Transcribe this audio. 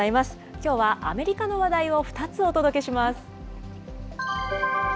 きょうはアメリカの話題を２つお届けします。